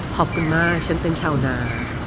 ขอบคุณมากฉันเป็นชาวนา